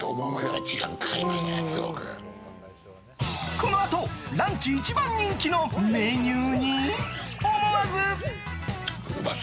このあとランチ一番人気のメニューに。